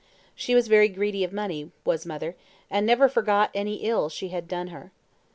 She was very greedy of money, was mother, and never forgot any ill she had had done her.